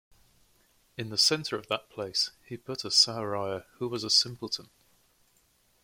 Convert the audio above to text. In the centre of that place he put a Sahariya who was a simpleton.